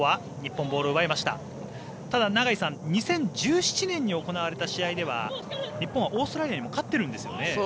ただ、２０１７年に行われた試合では日本はオーストラリアに勝ってるんですよね。